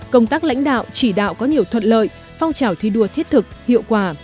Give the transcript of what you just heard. công tác lãnh đạo chỉ đạo có nhiều thuận lợi phong trào thi đua thiết thực hiệu quả